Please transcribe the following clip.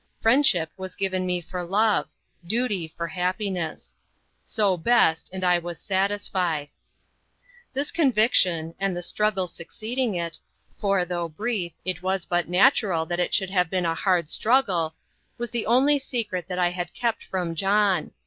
Friendship was given me for love duty for happiness. So best, and I was satisfied. This conviction, and the struggle succeeding it for, though brief, it was but natural that it should have been a hard struggle was the only secret that I had kept from John.